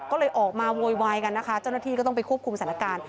ก็เลยออกมาโวยวายกันนะคะเจ้าหน้าที่ก็ต้องไปควบคุมสถานการณ์